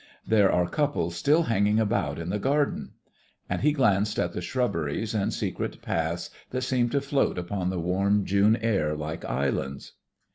There are couples still hanging about in the garden." And he glanced at the shrubberies and secret paths that seemed to float upon the warm June air like islands.